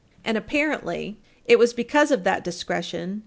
And, apparently, it was because of that discretion, Page 305 U.